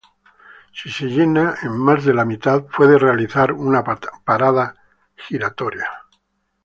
Si se llena en más de la mitad, puede realizar una patada giratoria.